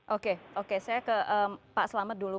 oke oke saya ke pak selamat dulu